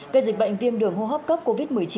về dịch bệnh tiêm đường hô hấp cấp covid một mươi chín